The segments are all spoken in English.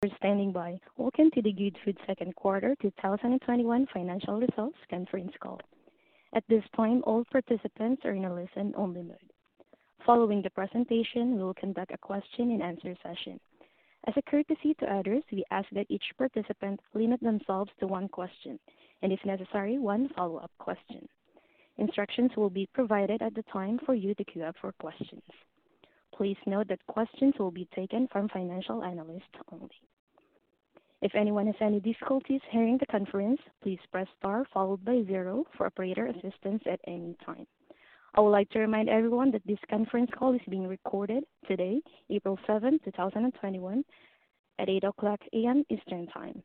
We're standing by. Welcome to the Goodfood second quarter 2021 financial results conference call. At this time, all participants are in a listen-only mode. Following the presentation, we will conduct a question and answer session. As a courtesy to others, we ask that each participant limit themselves to one question, and if necessary, one follow-up question. Instructions will be provided at the time for you to queue up for questions. Please note that questions will be taken from financial analysts only. If anyone has any difficulties hearing the conference, please press star followed by zero for operator assistance at any time. I would like to remind everyone that this conference call is being recorded today, April 7th, 2021, at 8:00 A.M. Eastern Time.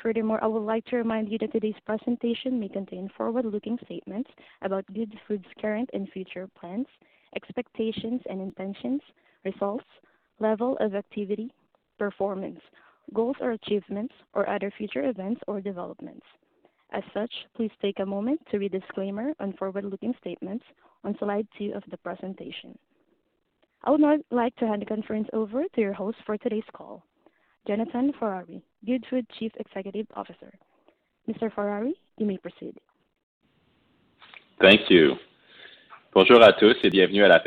Furthermore, I would like to remind you that today's presentation may contain forward-looking statements about Goodfood's current and future plans, expectations and intentions, results, level of activity, performance, goals or achievements, or other future events or developments. As such, please take a moment to read disclaimer on forward-looking statements on slide two of the presentation. I would now like to hand the conference over to your host for today's call, Jonathan Ferrari, Goodfood Chief Executive Officer. Mr. Ferrari, you may proceed. Thank you. Good morning, everyone,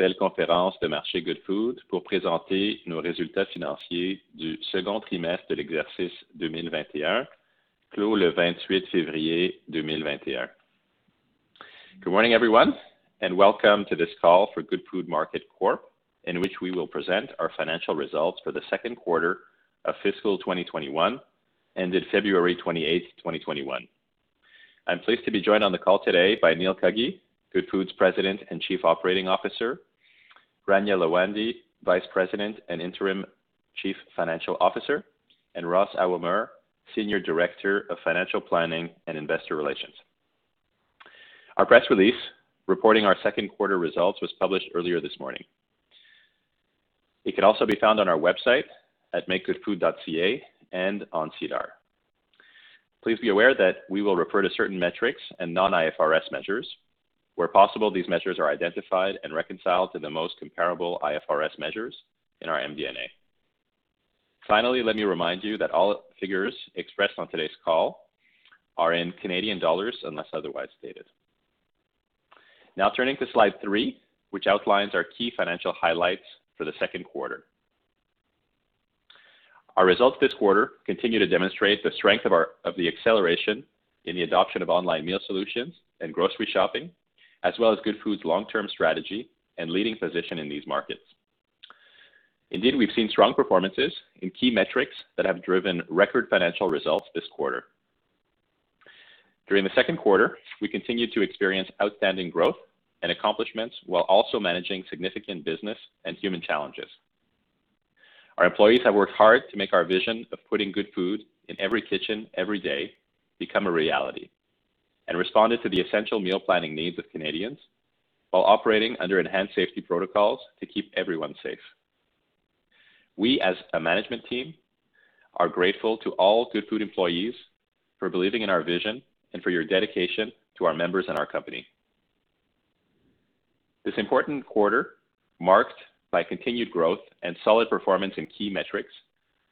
and welcome to this call for Goodfood Market Corp., in which we will present our financial results for the second quarter of fiscal 2021, ended February 28th, 2021. I'm pleased to be joined on the call today by Neil Cuggy, Goodfood's President and Chief Operating Officer, Rania Lawandi, Vice President and Interim Chief Financial Officer, and Roslane Aouameur, Senior Director of Financial Planning and Investor Relations. Our press release reporting our second quarter results was published earlier this morning. It can also be found on our website at makegoodfood.ca and on SEDAR. Please be aware that we will refer to certain metrics and non-IFRS measures. Where possible, these measures are identified and reconciled to the most comparable IFRS measures in our MD&A. Finally, let me remind you that all figures expressed on today's call are in Canadian dollars unless otherwise stated. Now turning to slide three, which outlines our key financial highlights for the second quarter. Our results this quarter continue to demonstrate the strength of the acceleration in the adoption of online meal solutions and grocery shopping, as well as Goodfood's long-term strategy and leading position in these markets. Indeed, we've seen strong performances in key metrics that have driven record financial results this quarter. During the second quarter, we continued to experience outstanding growth and accomplishments while also managing significant business and human challenges. Our employees have worked hard to make our vision of putting good food in every kitchen, every day, become a reality, and responded to the essential meal planning needs of Canadians while operating under enhanced safety protocols to keep everyone safe. We, as a management team, are grateful to all Goodfood employees for believing in our vision and for your dedication to our members and our company. This important quarter marked by continued growth and solid performance in key metrics,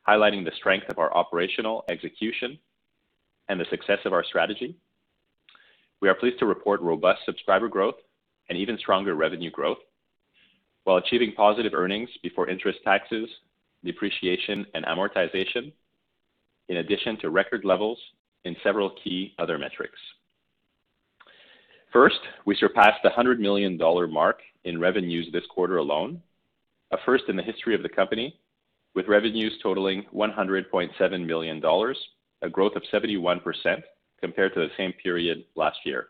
highlighting the strength of our operational execution and the success of our strategy. We are pleased to report robust subscriber growth and even stronger revenue growth while achieving positive EBITDA, in addition to record levels in several key other metrics. First, we surpassed the 100 million dollar mark in revenues this quarter alone, a first in the history of the company, with revenues totaling 100.7 million dollars, a growth of 71% compared to the same period last year.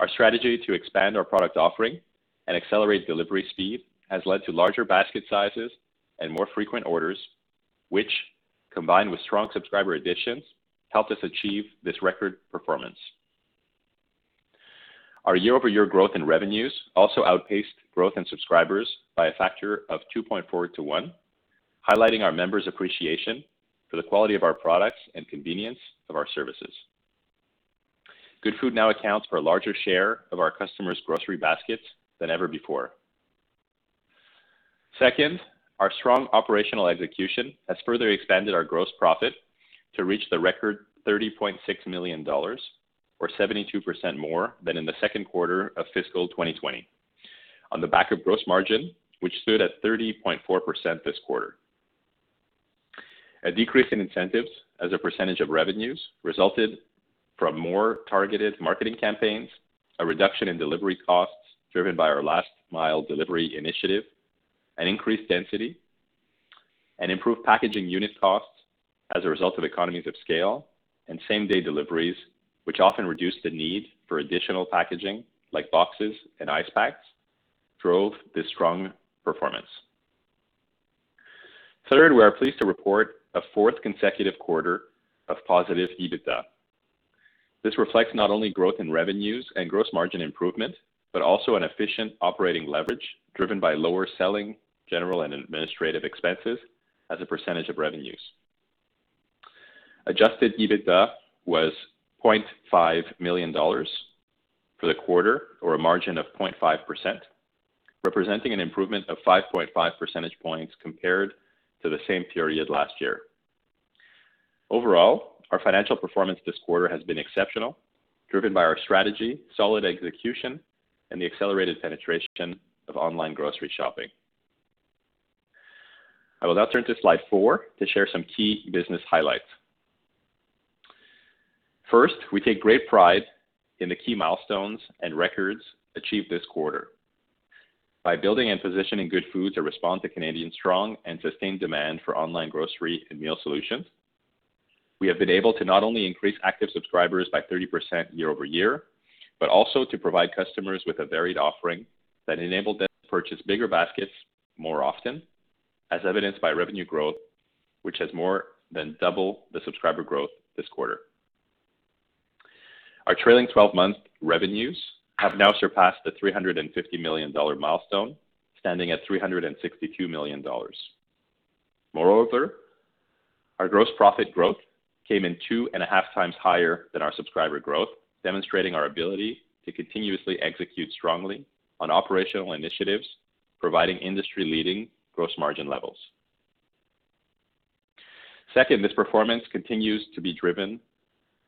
Our strategy to expand our product offering and accelerate delivery speed has led to larger basket sizes and more frequent orders, which, combined with strong subscriber additions, helped us achieve this record performance. Our year-over-year growth in revenues also outpaced growth in subscribers by a factor of 2.4 to one, highlighting our members' appreciation for the quality of our products and convenience of our services. Goodfood now accounts for a larger share of our customers' grocery baskets than ever before. Second, our strong operational execution has further expanded our gross profit to reach the record 30.6 million dollars, or 72% more than in the second quarter of fiscal 2020, on the back of gross margin, which stood at 30.4% this quarter. A decrease in incentives as a % of revenues resulted from more targeted marketing campaigns, a reduction in delivery costs driven by our last mile delivery initiative, and increased density and improved packaging unit costs as a result of economies of scale and same-day deliveries, which often reduced the need for additional packaging like boxes and ice packs, drove this strong performance. Third, we are pleased to report a fourth consecutive quarter of positive EBITDA. This reflects not only growth in revenues and gross margin improvement, but also an efficient operating leverage driven by lower selling, general, and administrative expenses as a % of revenues. Adjusted EBITDA was 0.5 million dollars for the quarter, or a margin of 0.5%, representing an improvement of 5.5 percentage points compared to the same period last year. Overall, our financial performance this quarter has been exceptional, driven by our strategy, solid execution, and the accelerated penetration of online grocery shopping. I will now turn to slide four to share some key business highlights. First, we take great pride in the key milestones and records achieved this quarter. By building and positioning Goodfood to respond to Canadians' strong and sustained demand for online grocery and meal solutions, we have been able to not only increase active subscribers by 30% year-over-year, but also to provide customers with a varied offering that enabled them to purchase bigger baskets more often, as evidenced by revenue growth, which has more than double the subscriber growth this quarter. Our trailing 12-month revenues have now surpassed the 350 million dollar milestone, standing at 362 million dollars. Moreover, our gross profit growth came in two and a half times higher than our subscriber growth, demonstrating our ability to continuously execute strongly on operational initiatives, providing industry-leading gross margin levels. Second, this performance continues to be driven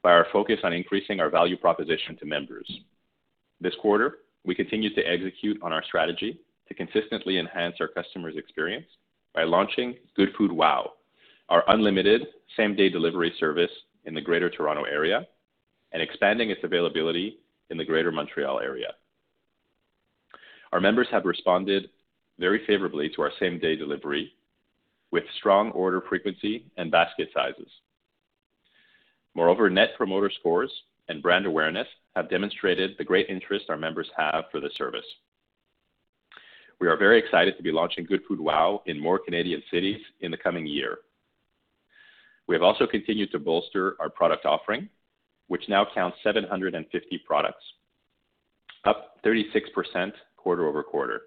by our focus on increasing our value proposition to members. This quarter, we continued to execute on our strategy to consistently enhance our customer's experience by launching Goodfood WOW, our unlimited same-day delivery service in the Greater Toronto Area, and expanding its availability in the Greater Montreal Area. Our members have responded very favorably to our same-day delivery with strong order frequency and basket sizes. Moreover, net promoter scores and brand awareness have demonstrated the great interest our members have for the service. We are very excited to be launching Goodfood WOW in more Canadian cities in the coming year. We have also continued to bolster our product offering, which now counts 750 products, up 36% quarter-over-quarter.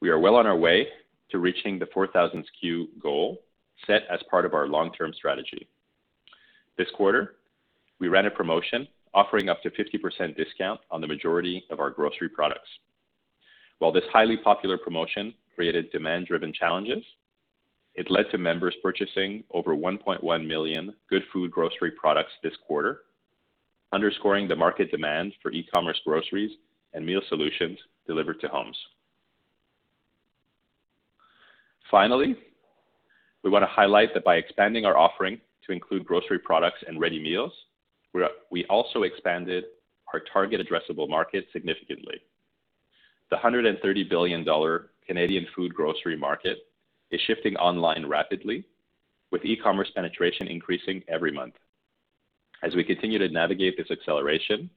We are well on our way to reaching the 4,000 SKU goal set as part of our long-term strategy. This quarter, we ran a promotion offering up to 50% discount on the majority of our grocery products. While this highly popular promotion created demand-driven challenges, it led to members purchasing over 1.1 million Goodfood grocery products this quarter, underscoring the market demand for e-commerce groceries and meal solutions delivered to homes. Finally, we want to highlight that by expanding our offering to include grocery products and ready meals, we also expanded our target addressable market significantly. The 130 billion Canadian dollars Canadian food grocery market is shifting online rapidly, with e-commerce penetration increasing every month. As we continue to navigate this acceleration,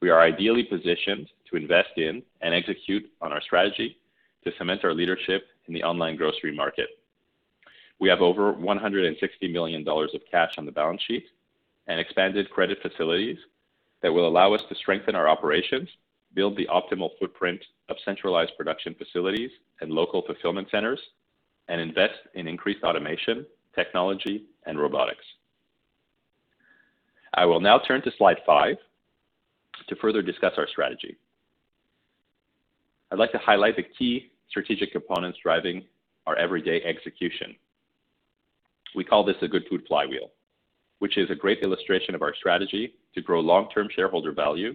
we are ideally positioned to invest in and execute on our strategy to cement our leadership in the online grocery market. We have over 160 million dollars of cash on the balance sheet and expanded credit facilities that will allow us to strengthen our operations, build the optimal footprint of centralized production facilities and local fulfillment centers, and invest in increased automation, technology, and robotics. I will now turn to slide five to further discuss our strategy. I'd like to highlight the key strategic components driving our everyday execution. We call this the Goodfood flywheel, which is a great illustration of our strategy to grow long-term shareholder value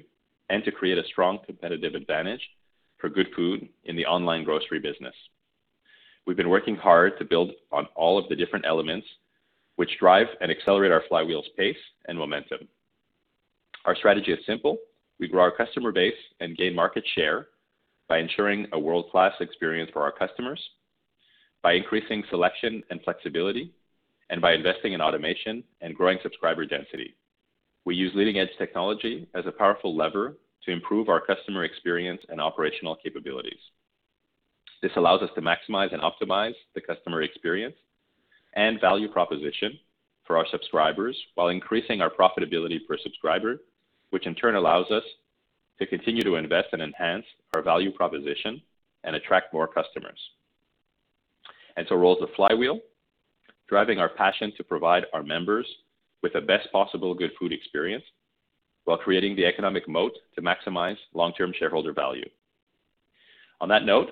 and to create a strong competitive advantage for Goodfood in the online grocery business. We've been working hard to build on all of the different elements which drive and accelerate our flywheel's pace and momentum. Our strategy is simple. We grow our customer base and gain market share by ensuring a world-class experience for our customers by increasing selection and flexibility and by investing in automation and growing subscriber density. We use leading-edge technology as a powerful lever to improve our customer experience and operational capabilities. This allows us to maximize and optimize the customer experience and value proposition for our subscribers while increasing our profitability per subscriber, which in turn allows us to continue to invest and enhance our value proposition and attract more customers. Rolls the flywheel, driving our passion to provide our members with the best possible Goodfood experience while creating the economic moat to maximize long-term shareholder value. On that note,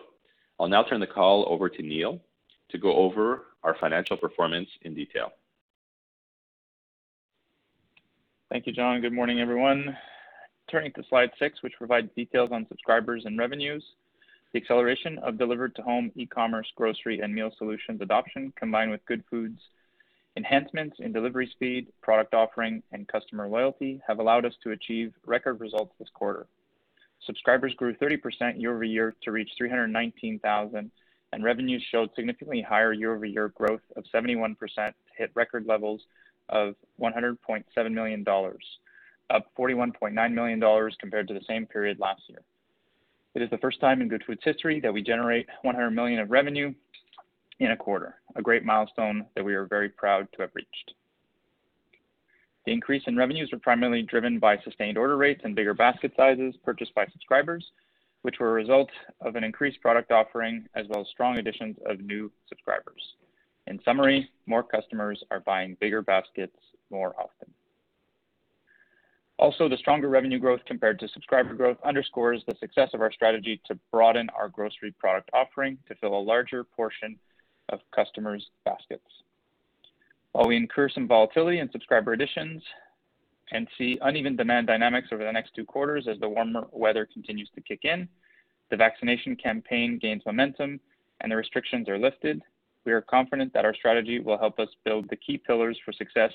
I'll now turn the call over to Neil to go over our financial performance in detail. Thank you, Jon. Good morning, everyone. Turning to slide six, which provides details on subscribers and revenues. The acceleration of delivered-to-home e-commerce grocery and meal solutions adoption, combined with Goodfood's enhancements in delivery speed, product offering, and customer loyalty, have allowed us to achieve record results this quarter. Subscribers grew 30% year-over-year to reach 319,000, and revenues showed significantly higher year-over-year growth of 71% to hit record levels of 100.7 million dollars, up 41.9 million dollars compared to the same period last year. It is the first time in Goodfood's history that we generate 100 million of revenue in a quarter, a great milestone that we are very proud to have reached. The increase in revenues were primarily driven by sustained order rates and bigger basket sizes purchased by subscribers, which were a result of an increased product offering as well as strong additions of new subscribers. In summary, more customers are buying bigger baskets more often. The stronger revenue growth compared to subscriber growth underscores the success of our strategy to broaden our grocery product offering to fill a larger portion of customers' baskets. While we incur some volatility in subscriber additions and see uneven demand dynamics over the next two quarters as the warmer weather continues to kick in, the vaccination campaign gains momentum, and the restrictions are lifted, we are confident that our strategy will help us build the key pillars for success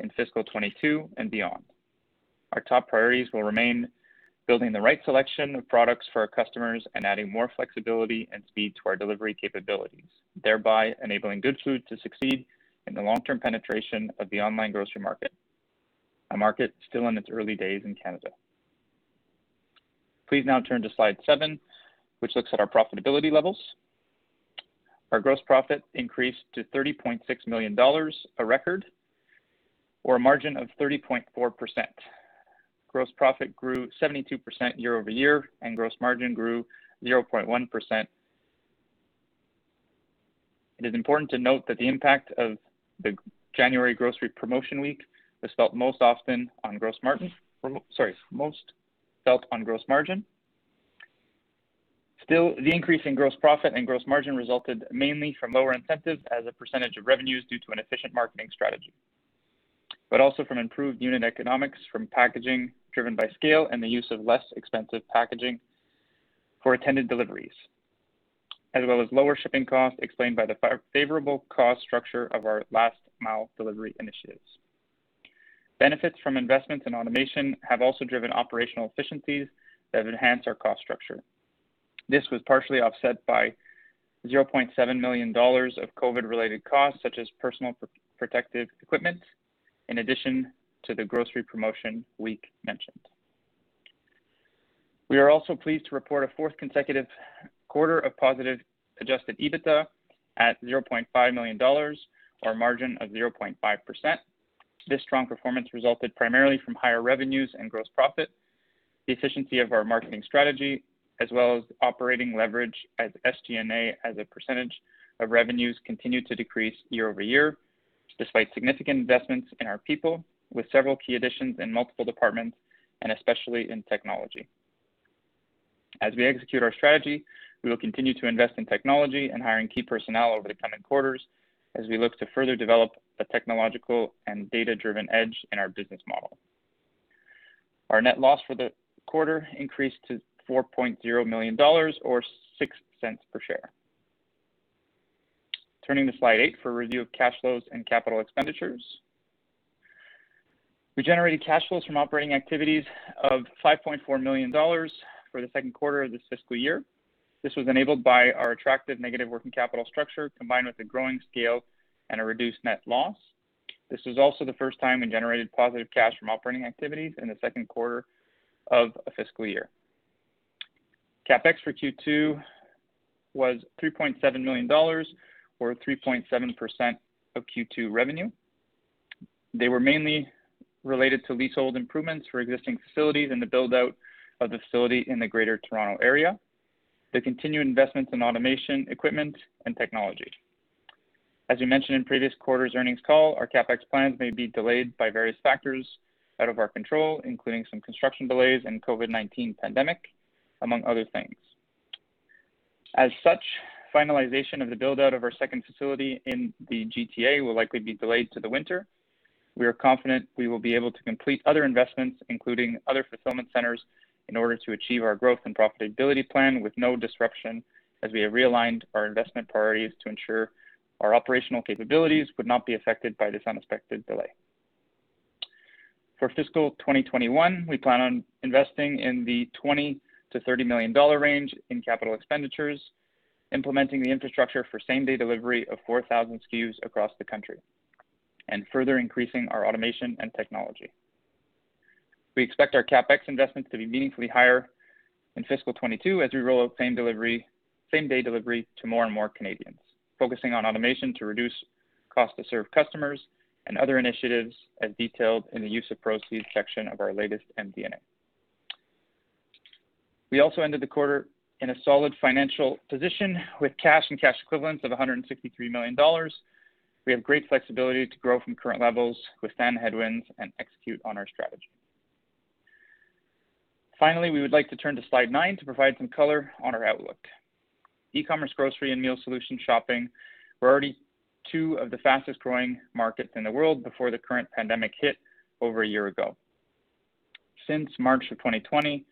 in fiscal 2022 and beyond. Our top priorities will remain building the right selection of products for our customers and adding more flexibility and speed to our delivery capabilities, thereby enabling Goodfood to succeed in the long-term penetration of the online grocery market, a market still in its early days in Canada. Please now turn to slide seven, which looks at our profitability levels. Our gross profit increased to 30.6 million dollars, a record, or a margin of 30.4%. Gross profit grew 72% year-over-year, and gross margin grew 0.1%. It is important to note that the impact of the January grocery promotion week was most felt on gross margin. Still, the increase in gross profit and gross margin resulted mainly from lower incentives as a percentage of revenues due to an efficient marketing strategy, but also from improved unit economics from packaging driven by scale and the use of less expensive packaging for attended deliveries, as well as lower shipping costs explained by the favorable cost structure of our last mile delivery initiatives. Benefits from investments in automation have also driven operational efficiencies that enhance our cost structure. This was partially offset by 0.7 million dollars of COVID related costs, such as personal protective equipment, in addition to the grocery promotion week mentioned. We are also pleased to report a fourth consecutive quarter of positive Adjusted EBITDA at 0.5 million dollars, or a margin of 0.5%. This strong performance resulted primarily from higher revenues and gross profit, the efficiency of our marketing strategy, as well as operating leverage as SG&A as a percentage of revenues continued to decrease year-over-year, despite significant investments in our people, with several key additions in multiple departments and especially in technology. As we execute our strategy, we will continue to invest in technology and hiring key personnel over the coming quarters as we look to further develop a technological and data-driven edge in our business model. Our net loss for the quarter increased to 4.0 million dollars, or 0.06 per share. Turning to slide eight for a review of cash flows and capital expenditures. We generated cash flows from operating activities of 5.4 million dollars for the 2nd quarter of this fiscal year. This was enabled by our attractive negative working capital structure, combined with a growing scale and a reduced net loss. This was also the first time we generated positive cash from operating activities in the 2nd quarter of a fiscal year. CapEx for Q2 was 3.7 million dollars, or 3.7% of Q2 revenue. They were mainly related to leasehold improvements for existing facilities and the build-out of the facility in the Greater Toronto Area, the continued investments in automation equipment and technology. As we mentioned in previous quarters' earnings call, our CapEx plans may be delayed by various factors out of our control, including some construction delays and COVID-19 pandemic, among other things. As such, finalization of the build-out of our second facility in the GTA will likely be delayed to the winter. We are confident we will be able to complete other investments, including other fulfillment centers, in order to achieve our growth and profitability plan with no disruption, as we have realigned our investment priorities to ensure our operational capabilities would not be affected by this unexpected delay. For fiscal 2021, we plan on investing in the 20 million-30 million dollar range in capital expenditures, implementing the infrastructure for same-day delivery of 4,000 SKUs across the country, and further increasing our automation and technology. We expect our CapEx investments to be meaningfully higher in fiscal 2022 as we roll out same-day delivery to more and more Canadians, focusing on automation to reduce cost to serve customers and other initiatives as detailed in the use of proceeds section of our latest MD&A. We also ended the quarter in a solid financial position with cash and cash equivalents of 163 million dollars. We have great flexibility to grow from current levels withstand headwinds and execute on our strategy. We would like to turn to slide nine to provide some color on our outlook. E-commerce grocery and meal solution shopping were already two of the fastest growing markets in the world before the current pandemic hit over a year ago. Since March of 2020,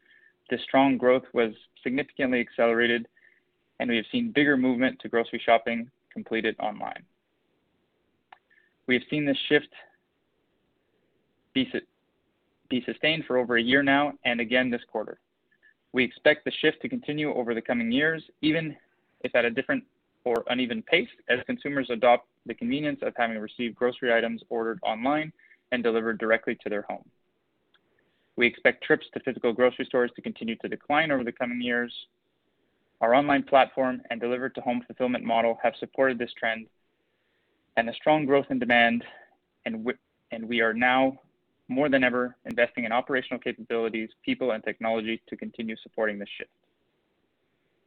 this strong growth was significantly accelerated. We have seen bigger movement to grocery shopping completed online. We have seen this shift be sustained for over a year now and again this quarter. We expect the shift to continue over the coming years, even if at a different or uneven pace, as consumers adopt the convenience of having received grocery items ordered online and delivered directly to their home. We expect trips to physical grocery stores to continue to decline over the coming years. Our online platform and deliver-to-home fulfillment model have supported this trend, and a strong growth in demand, and we are now more than ever investing in operational capabilities, people, and technology to continue supporting this shift.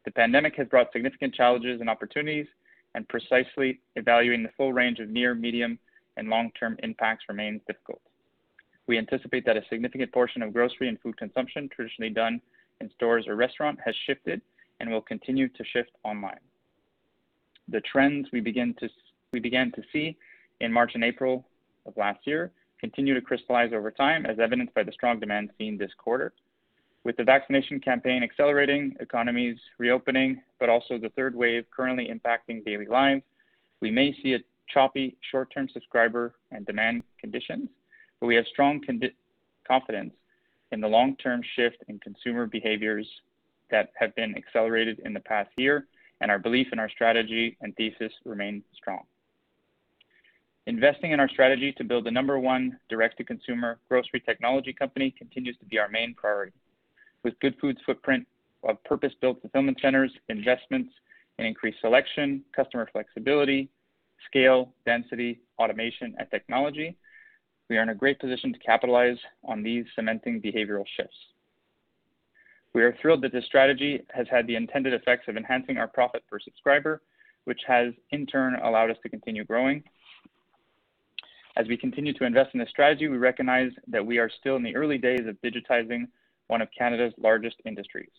The pandemic has brought significant challenges and opportunities, and precisely evaluating the full range of near, medium, and long-term impacts remains difficult. We anticipate that a significant portion of grocery and food consumption traditionally done in stores or restaurant has shifted and will continue to shift online. The trends we began to see in March and April of last year continue to crystallize over time, as evidenced by the strong demand seen this quarter. With the vaccination campaign accelerating, economies reopening, but also the third wave currently impacting daily lives, we may see a choppy short-term subscriber and demand conditions, but we have strong confidence in the long-term shift in consumer behaviors that have been accelerated in the past year, and our belief in our strategy and thesis remain strong. Investing in our strategy to build the number one direct-to-consumer grocery technology company continues to be our main priority. With Goodfood's footprint of purpose-built fulfillment centers, investments in increased selection, customer flexibility, scale, density, automation, and technology, we are in a great position to capitalize on these cementing behavioral shifts. We are thrilled that this strategy has had the intended effects of enhancing our profit per subscriber, which has, in turn, allowed us to continue growing. As we continue to invest in this strategy, we recognize that we are still in the early days of digitizing one of Canada's largest industries.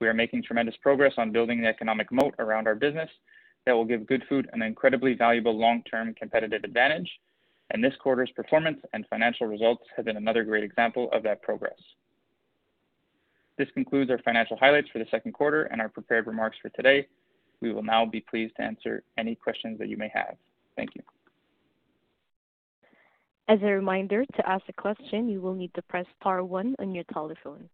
We are making tremendous progress on building an economic moat around our business that will give Goodfood an incredibly valuable long-term competitive advantage, and this quarter's performance and financial results have been another great example of that progress. This concludes our financial highlights for the second quarter and our prepared remarks for today. We will now be pleased to answer any questions that you may have. Thank you. As a reminder, to ask a question, you will need to press star one on your telephone.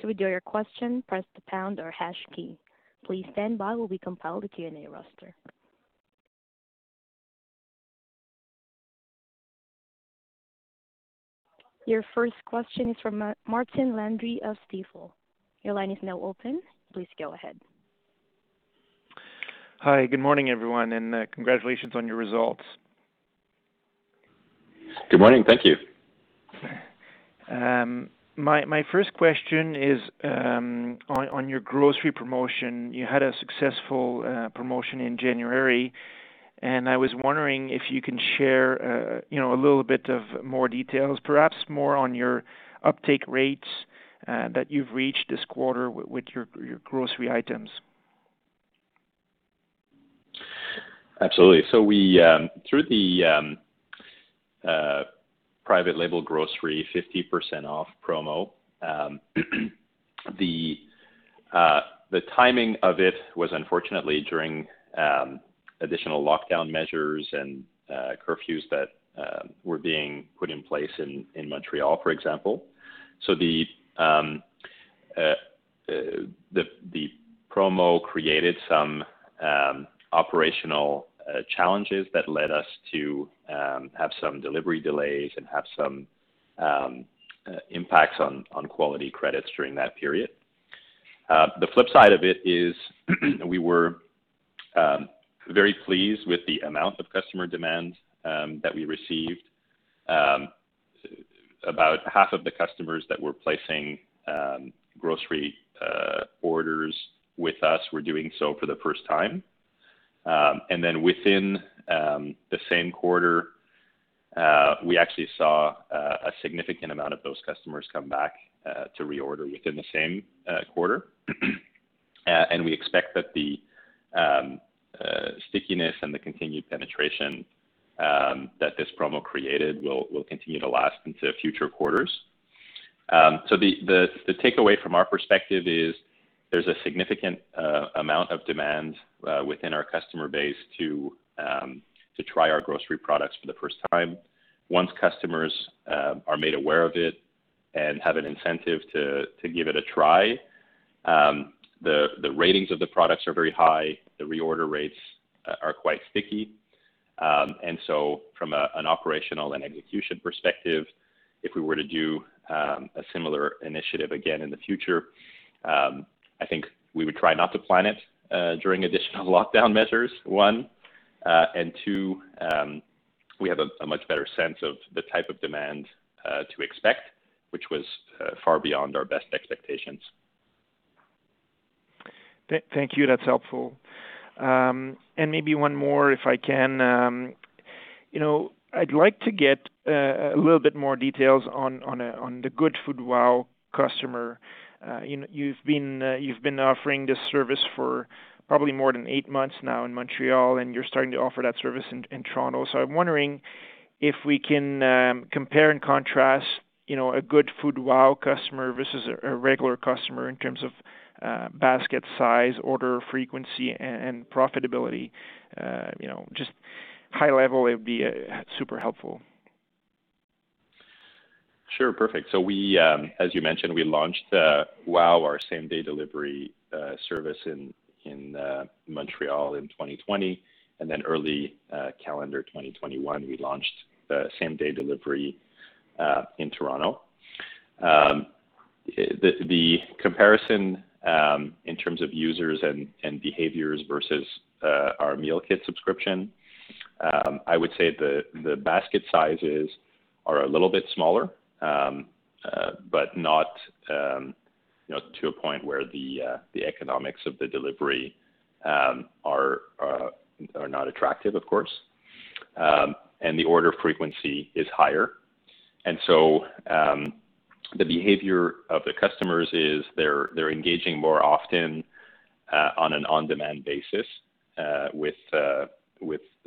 To withdraw your question, press the pound or hash key. Please stand by while we compile the Q&A roster. Your first question is from Martin Landry of Stifel. Your line is now open. Please go ahead. Hi, good morning, everyone, and congratulations on your results. Good morning. Thank you. My first question is on your grocery promotion. You had a successful promotion in January. I was wondering if you can share a little bit of more details, perhaps more on your uptake rates that you've reached this quarter with your grocery items? Absolutely. Through the private label grocery 50% off promo, the timing of it was unfortunately during additional lockdown measures and curfews that were being put in place in Montreal, for example. The promo created some operational challenges that led us to have some delivery delays and have some impacts on quality credits during that period. The flip side of it is we were very pleased with the amount of customer demand that we received. About half of the customers that were placing grocery orders with us were doing so for the first time. Within the same quarter, we actually saw a significant amount of those customers come back to reorder within the same quarter. We expect that the stickiness and the continued penetration that this promo created will continue to last into future quarters. The takeaway from our perspective is there is a significant amount of demand within our customer base to try our grocery products for the first time. Once customers are made aware of it and have an incentive to give it a try, the ratings of the products are very high. The reorder rates are quite sticky. From an operational and execution perspective, if we were to do a similar initiative again in the future, I think we would try not to plan it during additional lockdown measures, one. Two, we have a much better sense of the type of demand to expect, which was far beyond our best expectations. Thank you. That's helpful. Maybe one more if I can. I'd like to get a little bit more details on the Goodfood WOW customer. You've been offering this service for probably more than eight months now in Montreal, and you're starting to offer that service in Toronto. I'm wondering if we can compare and contrast a Goodfood WOW customer versus a regular customer in terms of basket size, order frequency, and profitability. Just high level, it would be super helpful. Sure, perfect. As you mentioned, we launched WOW, our same-day delivery service in Montreal in 2020, and then early calendar 2021, we launched the same-day delivery in Toronto. The comparison in terms of users and behaviors versus our meal kit subscription, I would say the basket sizes are a little bit smaller, but not to a point where the economics of the delivery are not attractive, of course. The order frequency is higher. The behavior of the customers is they're engaging more often on an on-demand basis with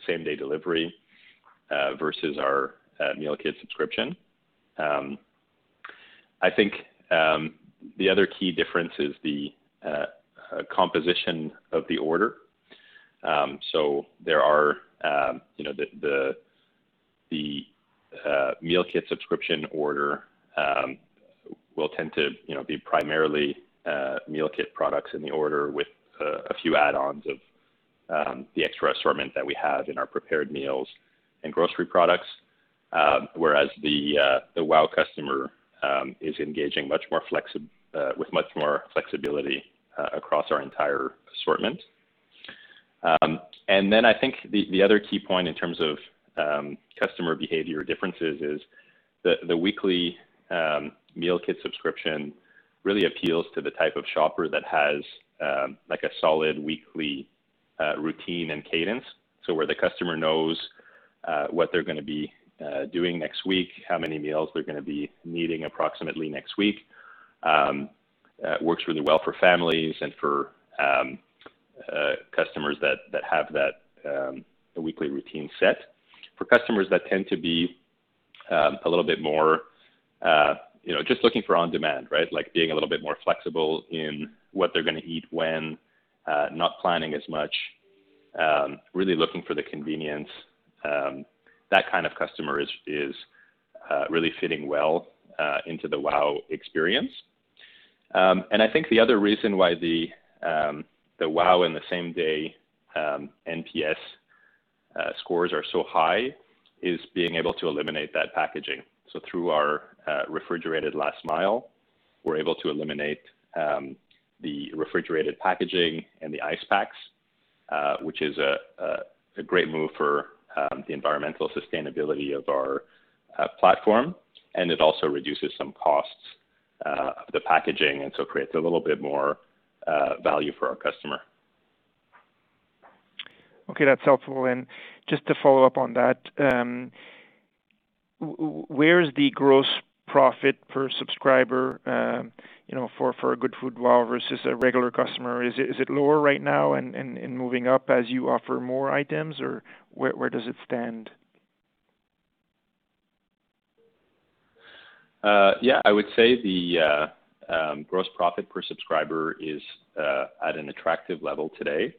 same-day delivery versus our meal kit subscription. I think the other key difference is the composition of the order. The meal kit subscription order will tend to be primarily meal kit products in the order with a few add-ons of the extra assortment that we have in our prepared meals and grocery products. Whereas the WOW customer is engaging with much more flexibility across our entire assortment. I think the other key point in terms of customer behavior differences is the weekly meal kit subscription really appeals to the type of shopper that has a solid weekly routine and cadence. Where the customer knows what they're going to be doing next week, how many meals they're going to be needing approximately next week. Works really well for families and for customers that have that weekly routine set. For customers that tend to be a little bit more just looking for on-demand, right? Being a little bit more flexible in what they're going to eat when, not planning as much, really looking for the convenience, that kind of customer is really fitting well into the WOW experience. I think the other reason why the WOW and the same-day NPS scores are so high is being able to eliminate that packaging. Through our refrigerated last mile, we're able to eliminate the refrigerated packaging and the ice packs, which is a great move for the environmental sustainability of our platform, and it also reduces some costs of the packaging, and so creates a little bit more value for our customer. Okay, that's helpful. Just to follow up on that, where is the gross profit per subscriber for a Goodfood WOW versus a regular customer? Is it lower right now and moving up as you offer more items, or where does it stand? Yeah, I would say the gross profit per subscriber is at an attractive level today.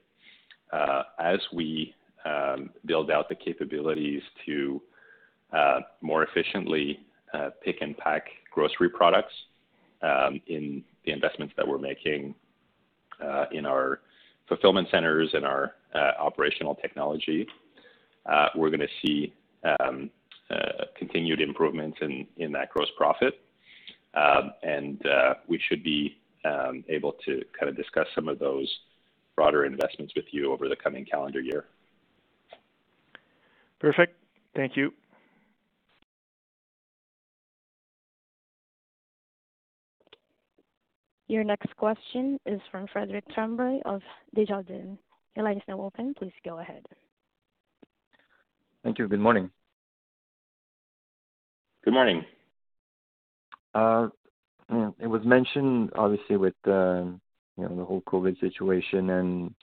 As we build out the capabilities to more efficiently pick and pack grocery products in the investments that we're making in our fulfillment centers and our operational technology, we're going to see continued improvements in that gross profit. We should be able to kind of discuss some of those broader investments with you over the coming calendar year. Perfect. Thank you. Your next question is from Frederic Tremblay of Desjardins. Your line is now open. Please go ahead. Thank you. Good morning. Good morning. It was mentioned, obviously, with the whole COVID situation and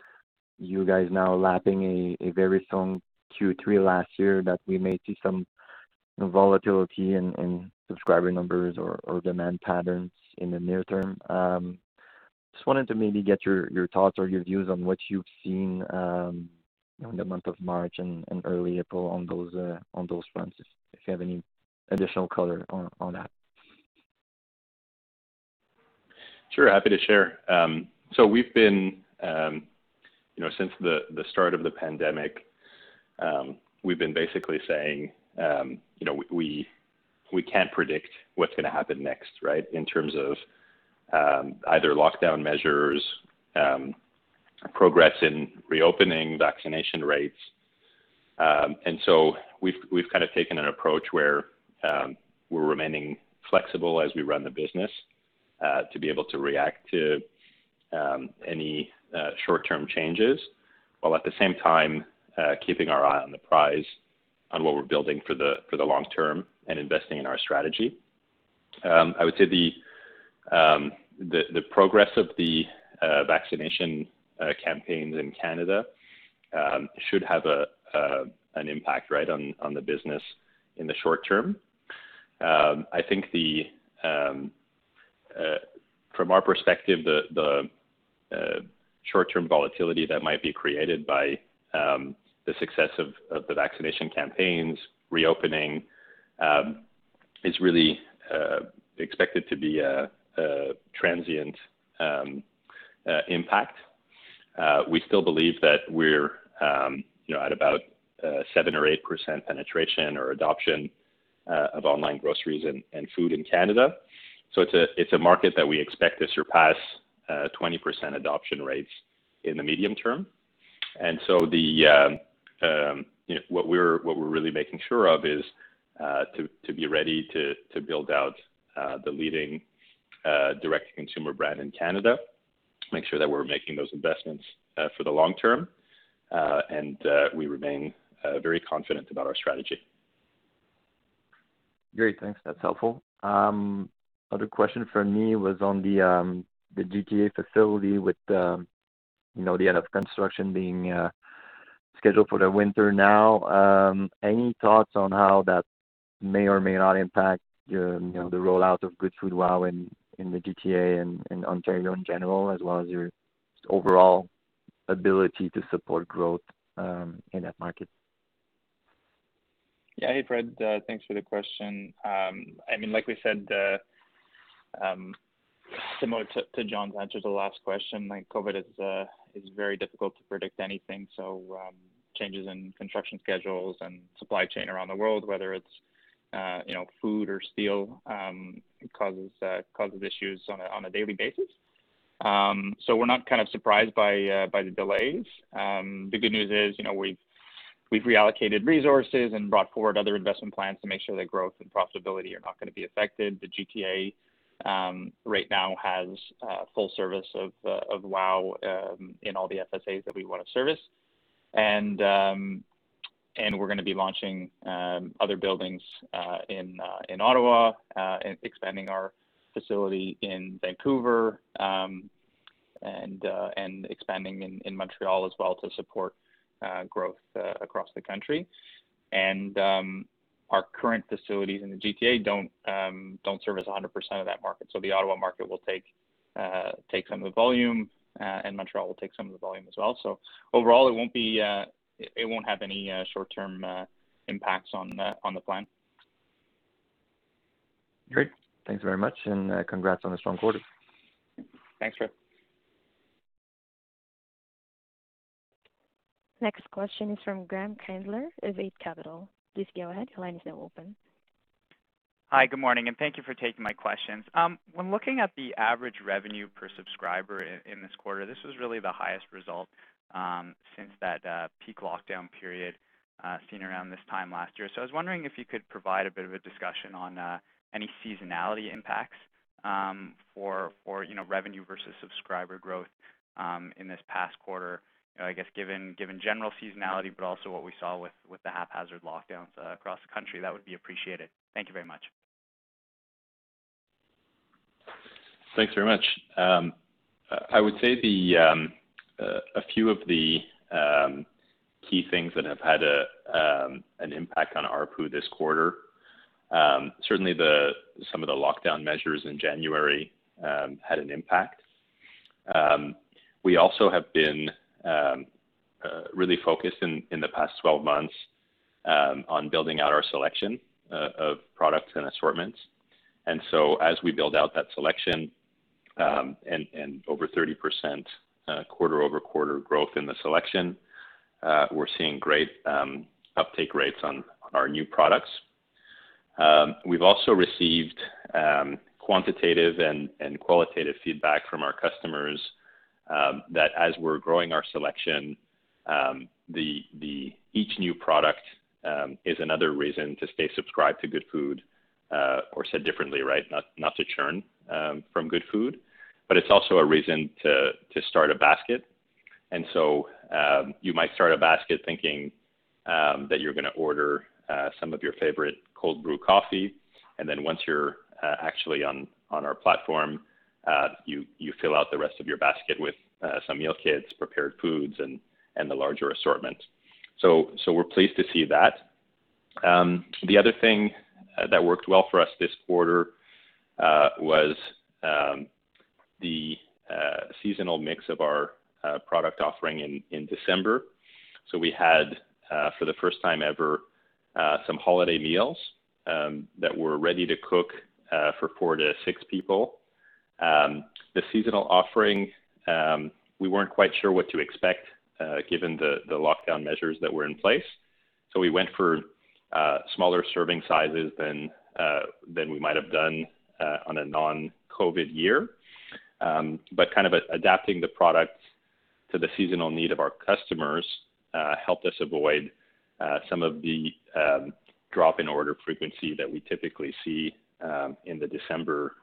you guys now lapping a very strong Q3 last year, that we may see some volatility in subscriber numbers or demand patterns in the near term. Just wanted to maybe get your thoughts or your views on what you've seen in the month of March and early April on those fronts, if you have any additional color on that. Sure, happy to share. Since the start of the pandemic, we've been basically saying we can't predict what's going to happen next, right? In terms of either lockdown measures, progress in reopening, vaccination rates. So we've kind of taken an approach where we're remaining flexible as we run the business to be able to react to any short-term changes, while at the same time keeping our eye on the prize on what we're building for the long term and investing in our strategy. I would say the progress of the vaccination campaigns in Canada should have an impact, right, on the business in the short term. I think from our perspective, the short-term volatility that might be created by the success of the vaccination campaigns reopening is really expected to be a transient impact. We still believe that we're at about 7% or 8% penetration or adoption of online groceries and food in Canada. It's a market that we expect to surpass 20% adoption rates in the medium term. What we're really making sure of is to be ready to build out the leading direct-to-consumer brand in Canada, make sure that we're making those investments for the long term, and we remain very confident about our strategy. Great. Thanks. That's helpful. Other question from me was on the GTA facility with the end of construction being scheduled for the winter now. Any thoughts on how that may or may not impact the rollout of Goodfood WOW in the GTA and in Ontario in general, as well as your overall ability to support growth in that market? Yeah. Hey, Fred. Thanks for the question. Like we said, similar to Jon's answer to the last question, COVID, it's very difficult to predict anything. Changes in construction schedules and supply chain around the world, whether it's food or steel, causes issues on a daily basis. We're not surprised by the delays. The good news is we've reallocated resources and brought forward other investment plans to make sure that growth and profitability are not going to be affected. The GTA right now has full service of WOW in all the FSAs that we want to service. We're going to be launching other buildings in Ottawa, and expanding our facility in Vancouver, and expanding in Montreal as well to support growth across the country. Our current facilities in the GTA don't service 100% of that market. The Ottawa market will take some of the volume, and Montreal will take some of the volume as well. Overall, it won't have any short-term impacts on the plan. Great. Thanks very much, and congrats on the strong quarter. Thanks, Fred. Next question is from Graham Golder of Eight Capital. Please go ahead. Your line is now open. Hi, good morning, and thank you for taking my questions. When looking at the average revenue per subscriber in this quarter, this was really the highest result since that peak lockdown period seen around this time last year. I was wondering if you could provide a bit of a discussion on any seasonality impacts for revenue versus subscriber growth in this past quarter, I guess, given general seasonality, but also what we saw with the haphazard lockdowns across the country. That would be appreciated. Thank you very much. Thanks very much. I would say a few of the key things that have had an impact on ARPU this quarter, certainly some of the lockdown measures in January had an impact. We also have been really focused in the past 12 months on building out our selection of products and assortments. As we build out that selection and over 30% quarter-over-quarter growth in the selection, we're seeing great uptake rates on our new products. We've also received quantitative and qualitative feedback from our customers that as we're growing our selection, each new product is another reason to stay subscribed to Goodfood, or said differently, not to churn from Goodfood, but it's also a reason to start a basket. You might start a basket thinking that you're going to order some of your favorite cold brew coffee, and then once you're actually on our platform, you fill out the rest of your basket with some meal kits, prepared foods, and the larger assortment. We're pleased to see that. The other thing that worked well for us this quarter was the seasonal mix of our product offering in December. We had, for the first time ever, some holiday meals that were ready to cook for four to six people. The seasonal offering, we weren't quite sure what to expect given the lockdown measures that were in place, so we went for smaller serving sizes than we might have done on a non-COVID year. Adapting the product to the seasonal need of our customers helped us avoid some of the drop in order frequency that we typically see in the December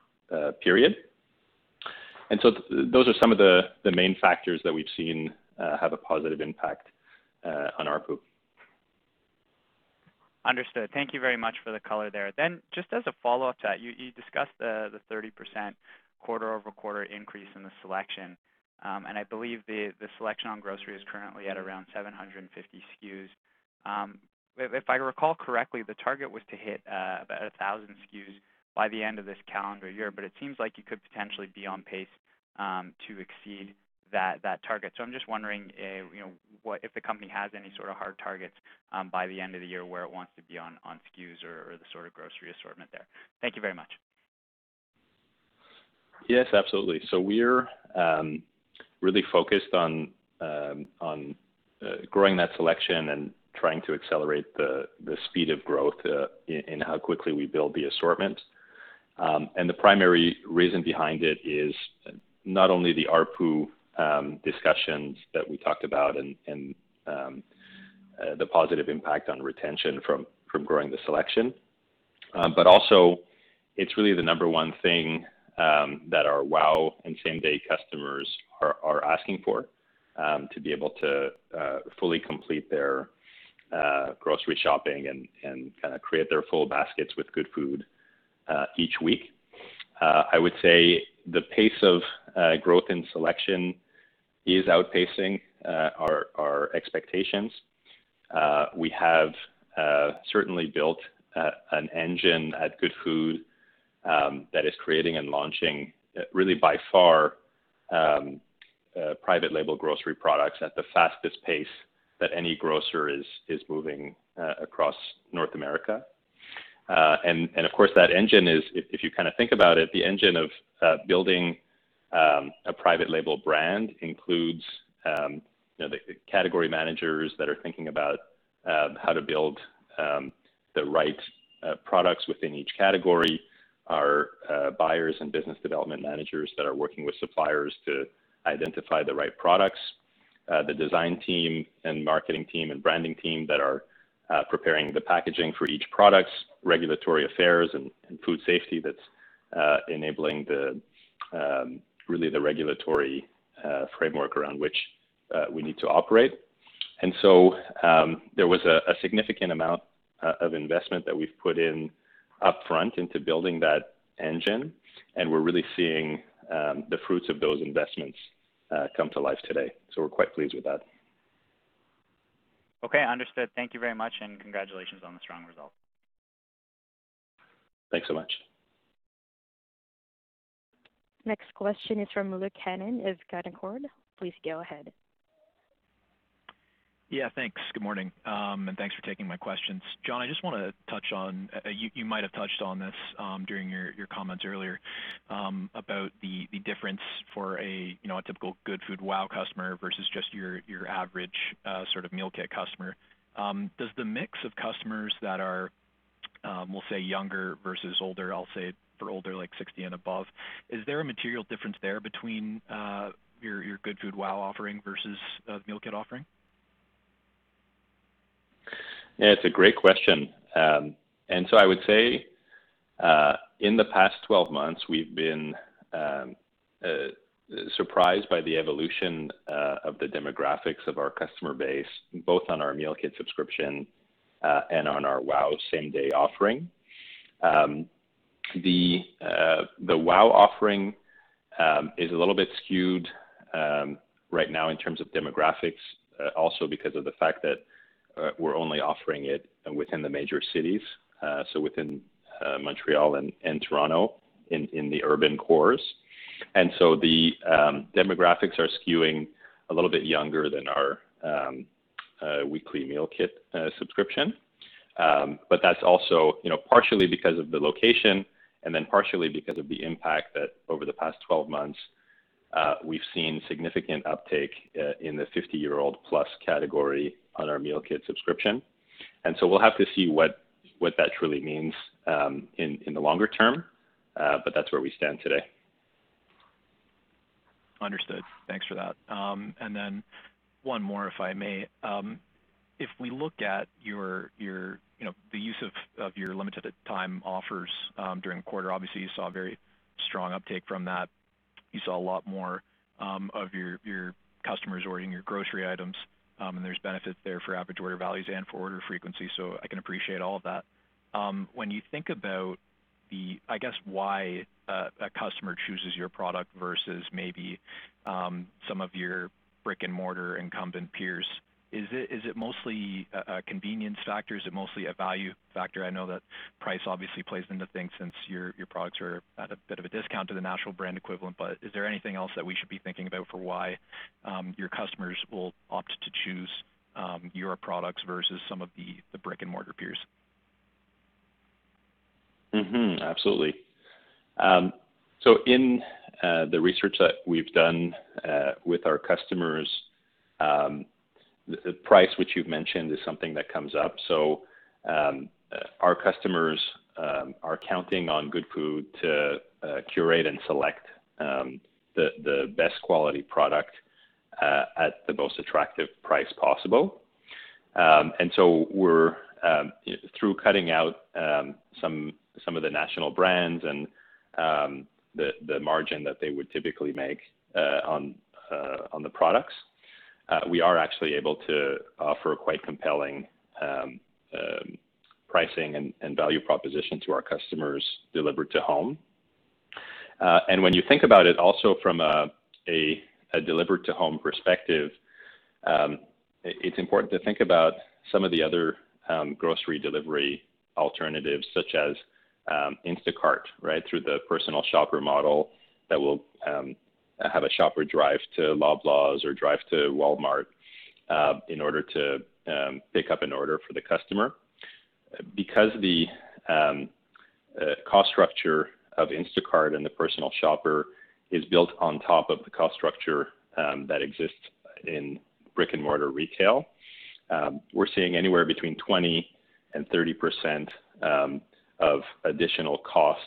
period. Those are some of the main factors that we've seen have a positive impact on ARPU. Understood. Thank you very much for the color there. Just as a follow-up to that, you discussed the 30% quarter-over-quarter increase in the selection, and I believe the selection on grocery is currently at around 750 SKUs. If I recall correctly, the target was to hit about 1,000 SKUs by the end of this calendar year, but it seems like you could potentially be on pace to exceed that target. I'm just wondering if the company has any sort of hard targets by the end of the year where it wants to be on SKUs or the sort of grocery assortment there. Thank you very much. Yes, absolutely. We're really focused on growing that selection and trying to accelerate the speed of growth in how quickly we build the assortment. The primary reason behind it is not only the ARPU discussions that we talked about and the positive impact on retention from growing the selection, but also it's really the number one thing that our WOW and same-day customers are asking for, to be able to fully complete their grocery shopping and create their full baskets with Goodfood each week. I would say the pace of growth in selection is outpacing our expectations. We have certainly built an engine at Goodfood that is creating and launching, really by far, private label grocery products at the fastest pace that any grocer is moving across North America. Of course, if you think about it, the engine of building a private label brand includes the category managers that are thinking about how to build the right products within each category, our buyers and business development managers that are working with suppliers to identify the right products, the design team and marketing team and branding team that are preparing the packaging for each product, regulatory affairs and food safety that's enabling really the regulatory framework around which we need to operate. There was a significant amount of investment that we've put in upfront into building that engine, and we're really seeing the fruits of those investments come to life today. We're quite pleased with that. Okay, understood. Thank you very much. Congratulations on the strong result. Thanks so much. Next question is from Will Cannon of Canaccord. Please go ahead. Yeah. Thanks. Good morning, and thanks for taking my questions. Jon, I just want to touch on, you might have touched on this during your comments earlier, about the difference for a typical Goodfood WOW customer versus just your average meal kit customer. Does the mix of customers that are, we'll say younger versus older, I'll say for older like 60 and above, is there a material difference there between your Goodfood WOW offering versus a meal kit offering? Yeah, it's a great question. I would say, in the past 12 months, we've been surprised by the evolution of the demographics of our customer base, both on our meal kit subscription, and on our WOW same-day offering. The WOW offering is a little bit skewed right now in terms of demographics, also because of the fact that we're only offering it within the major cities, so within Montreal and Toronto in the urban cores. The demographics are skewing a little bit younger than our weekly meal kit subscription. That's also partially because of the location and then partially because of the impact that over the past 12 months, we've seen significant uptake in the 50-year-old plus category on our meal kit subscription. We'll have to see what that truly means in the longer term, but that's where we stand today. Understood. Thanks for that. Then one more, if I may. If we look at the use of your limited time offers during the quarter, obviously you saw very strong uptake from that. You saw a lot more of your customers ordering your grocery items, and there's benefits there for average order values and for order frequency. I can appreciate all of that. When you think about, I guess, why a customer chooses your product versus maybe some of your brick-and-mortar incumbent peers, is it mostly a convenience factor? Is it mostly a value factor? I know that price obviously plays into things since your products are at a bit of a discount to the national brand equivalent, but is there anything else that we should be thinking about for why your customers will opt to choose your products versus some of the brick-and-mortar peers? Absolutely. In the research that we've done with our customers, the price which you've mentioned is something that comes up. Our customers are counting on Goodfood to curate and select the best quality product at the most attractive price possible. Through cutting out some of the national brands and the margin that they would typically make on the products, we are actually able to offer a quite compelling pricing and value proposition to our customers delivered to home. When you think about it also from a delivered to home perspective, it's important to think about some of the other grocery delivery alternatives, such as Instacart, through the personal shopper model that will have a shopper drive to Loblaws or drive to Walmart in order to pick up an order for the customer. Because the cost structure of Instacart and the personal shopper is built on top of the cost structure that exists in brick-and-mortar retail, we're seeing anywhere between 20% and 30% of additional costs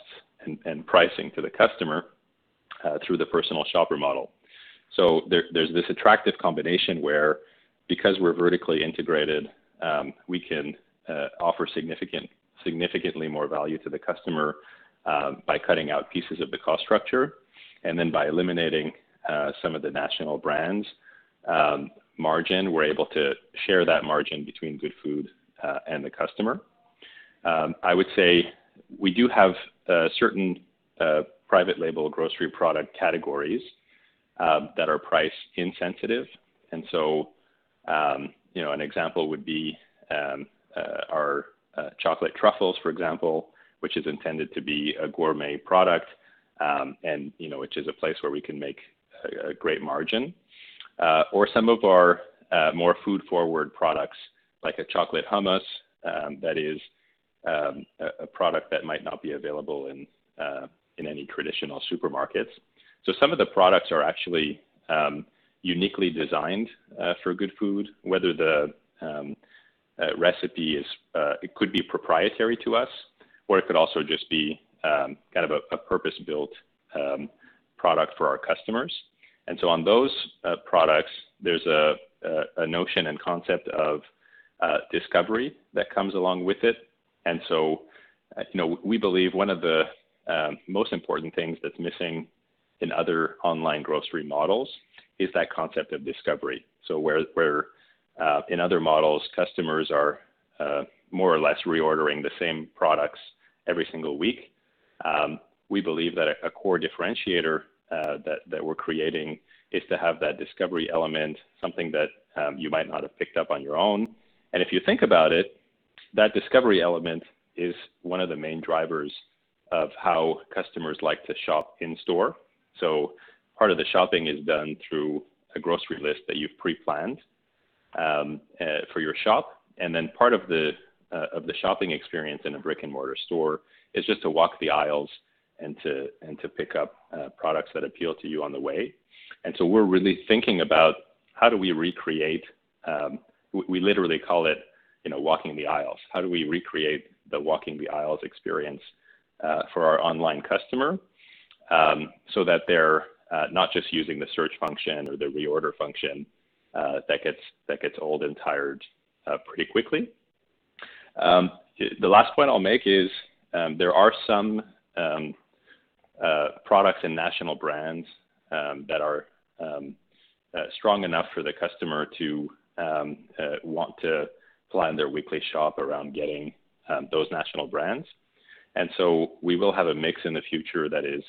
and pricing to the customer through the personal shopper model. There's this attractive combination where, because we're vertically integrated, we can offer significantly more value to the customer by cutting out pieces of the cost structure, and then by eliminating some of the national brands' margin, we're able to share that margin between Goodfood and the customer. I would say we do have certain private label grocery product categories that are price insensitive. An example would be our chocolate truffles, for example, which is intended to be a gourmet product, and which is a place where we can make a great margin. Some of our more food-forward products, like a chocolate hummus, that is a product that might not be available in any traditional supermarkets. Some of the products are actually uniquely designed for Goodfood, whether the recipe could be proprietary to us, or it could also just be a purpose-built product for our customers. On those products, there's a notion and concept of discovery that comes along with it. We believe one of the most important things that's missing in other online grocery models is that concept of discovery. Where in other models, customers are more or less reordering the same products every single week, we believe that a core differentiator that we're creating is to have that discovery element, something that you might not have picked up on your own. If you think about it, that discovery element is one of the main drivers of how customers like to shop in store. Part of the shopping is done through a grocery list that you've pre-planned for your shop. Part of the shopping experience in a brick-and-mortar store is just to walk the aisles and to pick up products that appeal to you on the way. We're really thinking about how do we recreate, we literally call it walking the aisles. How do we recreate the walking the aisles experience for our online customer so that they're not just using the search function or the reorder function that gets old and tired pretty quickly? The last point I'll make is there are some products and national brands that are strong enough for the customer to want to plan their weekly shop around getting those national brands. We will have a mix in the future that is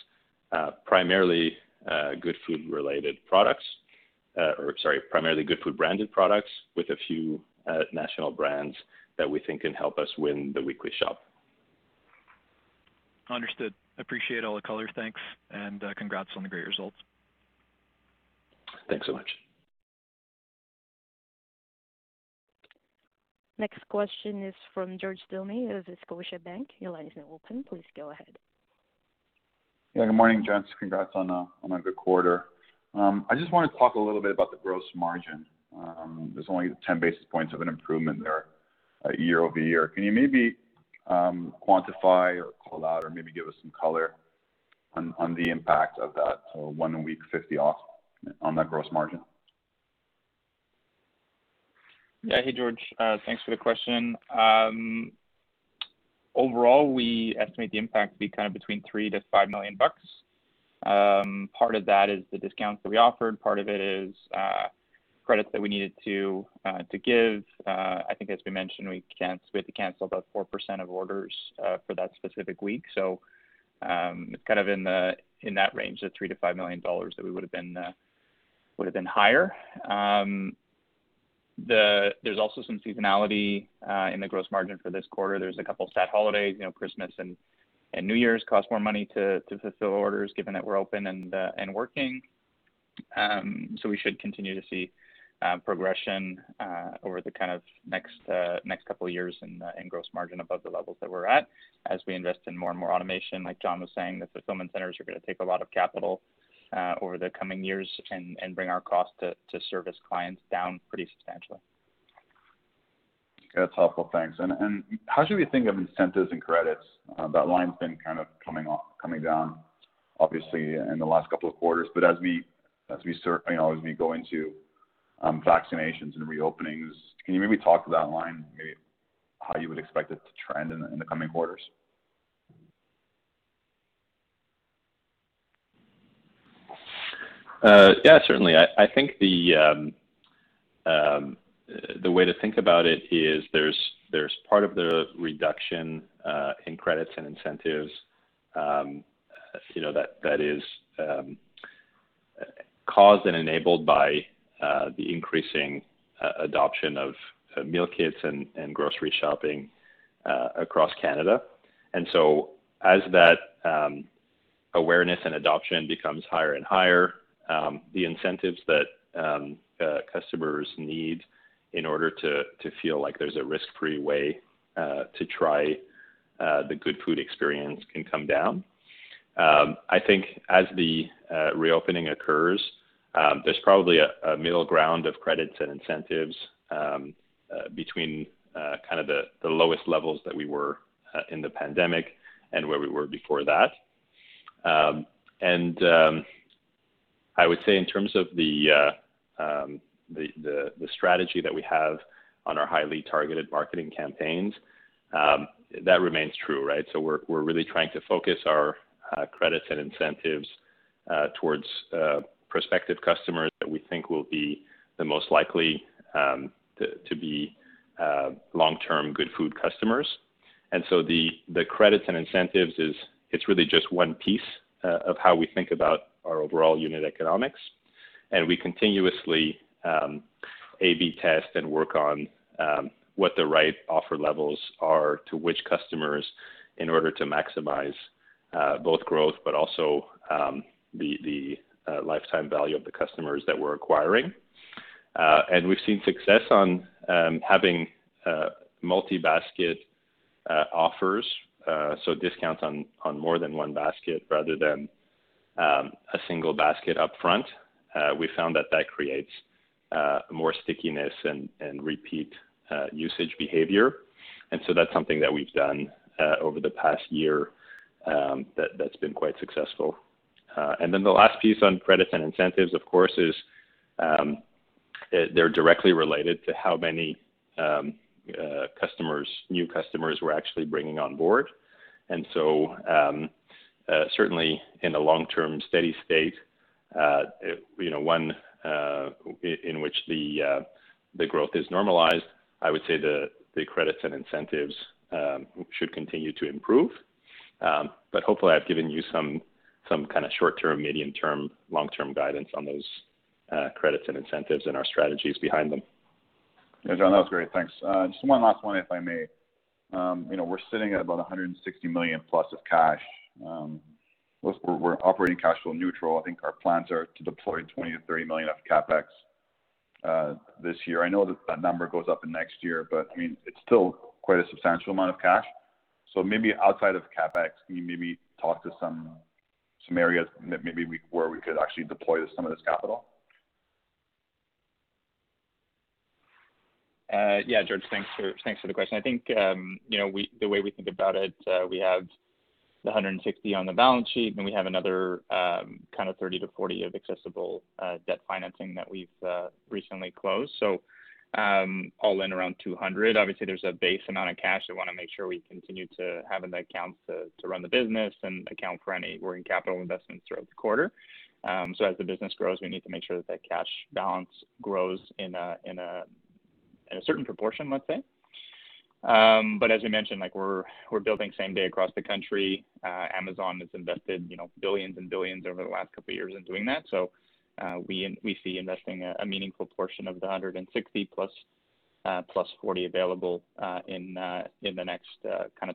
primarily Goodfood-branded products with a few national brands that we think can help us win the weekly shop. Understood. Appreciate all the color, thanks, and congrats on the great results. Thanks so much. Next question is from George Doumet of Scotiabank. Your line is now open. Please go ahead. Yeah. Good morning, gents. Congrats on a good quarter. I just want to talk a little bit about the gross margin. There's only 10 basis points of an improvement there year-over-year. Can you maybe quantify or call out or maybe give us some color on the impact of that one week 50 off on that gross margin? Yeah. Hey, George. Thanks for the question. Overall, we estimate the impact to be kind of between 3 million-5 million bucks. Part of that is the discounts that we offered. Part of it is credits that we needed to give. I think as we mentioned, we had to cancel about 4% of orders for that specific week. It's kind of in that range of 3 million-5 million dollars that we would have been higher. There's also some seasonality in the gross margin for this quarter. There's a couple of stat holidays. Christmas and New Year's cost more money to fulfill orders given that we're open and working. We should continue to see progression over the next couple of years in gross margin above the levels that we're at as we invest in more and more automation. Like Jon was saying, the fulfillment centers are going to take a lot of capital over the coming years and bring our cost to service clients down pretty substantially. That's helpful. Thanks. How should we think of incentives and credits? That line's been kind of coming down, obviously, in the last couple of quarters. As we go into vaccinations and reopenings, can you maybe talk to that line, maybe how you would expect it to trend in the coming quarters? Yeah, certainly. I think the way to think about it is there's part of the reduction in credits and incentives that is caused and enabled by the increasing adoption of meal kits and grocery shopping across Canada. As that awareness and adoption becomes higher and higher. The incentives that customers need in order to feel like there's a risk-free way to try the Goodfood experience can come down. I think as the reopening occurs, there's probably a middle ground of credits and incentives between the lowest levels that we were in the pandemic and where we were before that. I would say in terms of the strategy that we have on our highly targeted marketing campaigns, that remains true, right? We're really trying to focus our credits and incentives towards prospective customers that we think will be the most likely to be long-term Goodfood customers. The credits and incentives is really just one piece of how we think about our overall unit economics, and we continuously A/B test and work on what the right offer levels are to which customers in order to maximize both growth, but also the lifetime value of the customers that we're acquiring. We've seen success on having multi-basket offers, so discounts on more than one basket rather than a single basket up front. We found that that creates more stickiness and repeat usage behavior. That's something that we've done over the past year that's been quite successful. The last piece on credits and incentives, of course, is they're directly related to how many new customers we're actually bringing on board. Certainly in a long-term steady state one in which the growth is normalized, I would say the credits and incentives should continue to improve. Hopefully I've given you some kind of short-term, medium-term, long-term guidance on those credits and incentives and our strategies behind them. Yeah, Jon, that was great. Thanks. Just one last one, if I may. We're sitting at about 160 million+ of cash. We're operating cash flow neutral. I think our plans are to deploy 20 million-30 million of CapEx this year. I know that that number goes up in next year, it's still quite a substantial amount of cash. Maybe outside of CapEx, can you maybe talk to some areas maybe where we could actually deploy some of this capital? Yeah, George, thanks for the question. I think the way we think about it, we have the 160 on the balance sheet, we have another kind of 30-40 of accessible debt financing that we've recently closed. All in around 200. Obviously, there's a base amount of cash that we want to make sure we continue to have in the accounts to run the business and account for any working capital investments throughout the quarter. As the business grows, we need to make sure that that cash balance grows in a certain proportion, let's say. As we mentioned, we're building same-day across the country. Amazon has invested billions and billions over the last couple of years in doing that. We see investing a meaningful portion of the 160-plus 40 available in the next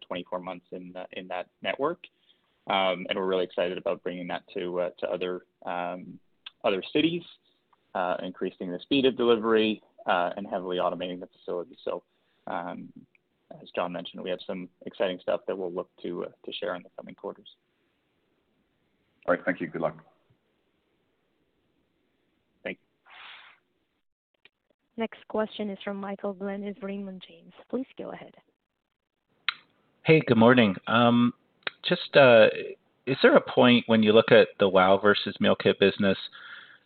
24 months in that network, and we're really excited about bringing that to other cities, increasing the speed of delivery, and heavily automating the facility. As Jon mentioned, we have some exciting stuff that we'll look to share in the coming quarters. All right. Thank you. Good luck. Thanks. Next question is from Michael Glen is Raymond James. Please go ahead. Hey, good morning. Is there a point when you look at the Wow versus Meal Kit business,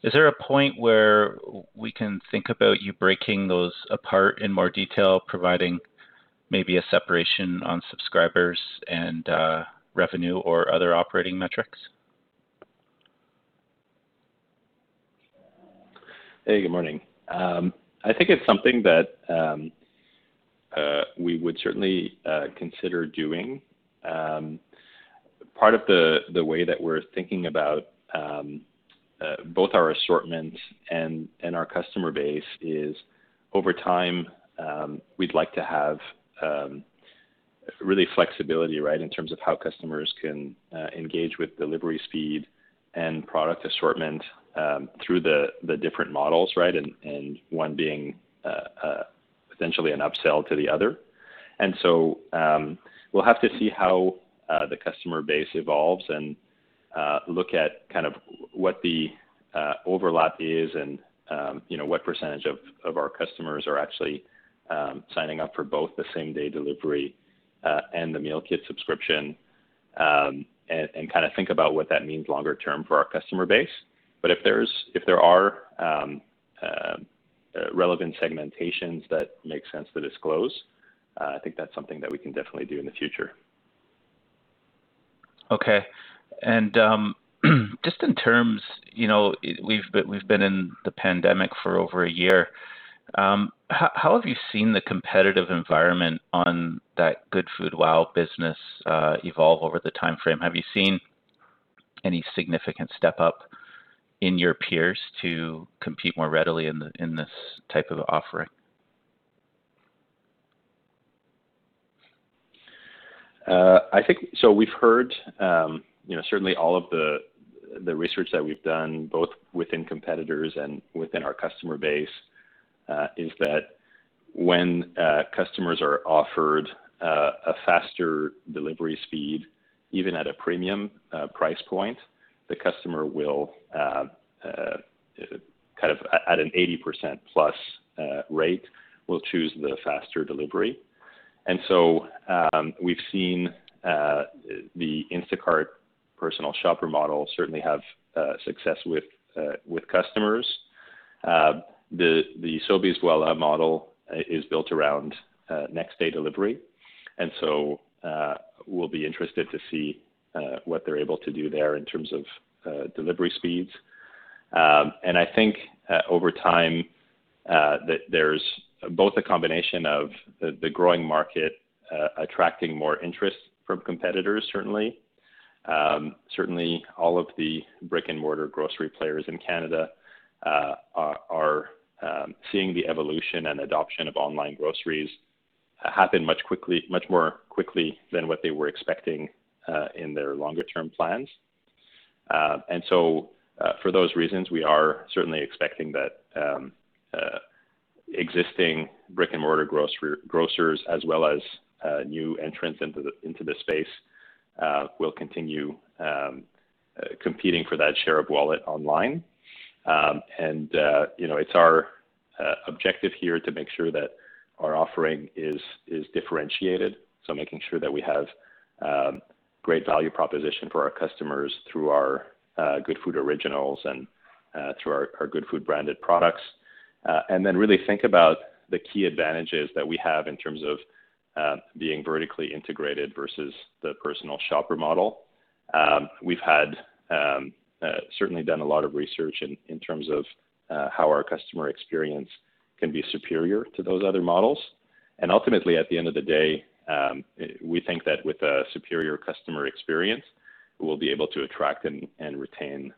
is there a point where we can think about you breaking those apart in more detail, providing maybe a separation on subscribers and revenue or other operating metrics? Hey, good morning. I think it's something that we would certainly consider doing. Part of the way that we're thinking about both our assortment and our customer base is over time, we'd like to have really flexibility, right, in terms of how customers can engage with delivery speed and product assortment through the different models, right? One being potentially an upsell to the other. We'll have to see how the customer base evolves and look at what the overlap is and what % of our customers are actually signing up for both the same-day delivery and the meal kit subscription, and think about what that means longer term for our customer base. If there are relevant segmentations that make sense to disclose, I think that's something that we can definitely do in the future. Okay. Just in terms, we've been in the pandemic for over a year. How have you seen the competitive environment on that Goodfood WOW business evolve over the time frame? Have you seen any significant step up in your peers to compete more readily in this type of offering? We've heard certainly all of the research that we've done, both within competitors and within our customer base, is that when customers are offered a faster delivery speed, even at a premium price point, the customer will, at an 80% plus rate, choose the faster delivery. We've seen the Instacart personal shopper model certainly have success with customers. The Voilà by Sobeys model is built around next-day delivery. We'll be interested to see what they're able to do there in terms of delivery speeds. I think over time, that there's both a combination of the growing market attracting more interest from competitors, certainly. Certainly all of the brick-and-mortar grocery players in Canada are seeing the evolution and adoption of online groceries happen much more quickly than what they were expecting in their longer-term plans. For those reasons, we are certainly expecting that existing brick-and-mortar grocers as well as new entrants into the space will continue competing for that share of wallet online. It's our objective here to make sure that our offering is differentiated, so making sure that we have great value proposition for our customers through our Goodfood Originals and through our Goodfood branded products. Really think about the key advantages that we have in terms of being vertically integrated versus the personal shopper model. We've certainly done a lot of research in terms of how our customer experience can be superior to those other models. Ultimately, at the end of the day, we think that with a superior customer experience, we'll be able to attract and retain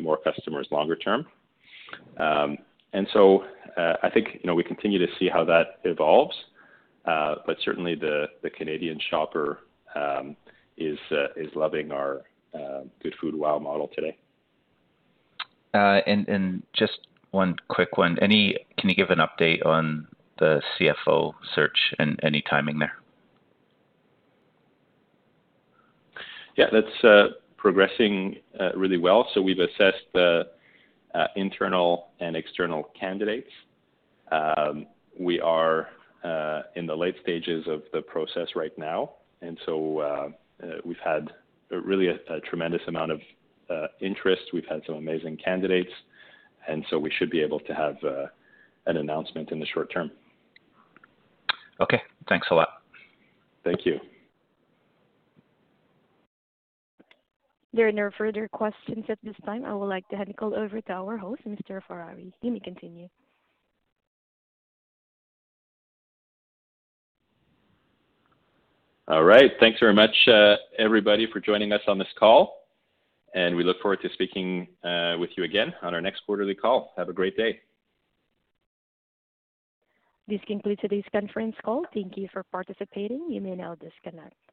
more customers longer term. I think we continue to see how that evolves. Certainly the Canadian shopper is loving our Goodfood WOW model today. Just one quick one. Can you give an update on the CFO search and any timing there? Yeah, that's progressing really well. We've assessed the internal and external candidates. We are in the late stages of the process right now. We've had really a tremendous amount of interest. We've had some amazing candidates. We should be able to have an announcement in the short term. Okay. Thanks a lot. Thank you. There are no further questions at this time. I would like to hand the call over to our host, Mr. Ferrari. You may continue. All right. Thanks very much, everybody, for joining us on this call. We look forward to speaking with you again on our next quarterly call. Have a great day. This concludes today's conference call. Thank you for participating. You may now disconnect.